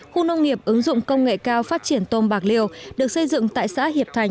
khu nông nghiệp ứng dụng công nghệ cao phát triển tôm bạc liêu được xây dựng tại xã hiệp thành